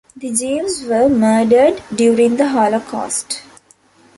The Jews were murdered during the Holocaust.